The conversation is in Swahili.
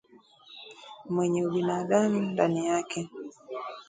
mwenye ubinaadamu ndani yake